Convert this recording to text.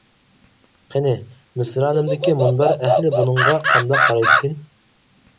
قېنى، مىسرانىمدىكى مۇنبەر ئەھلى بۇنىڭغا قانداق قارايدىكىن؟ !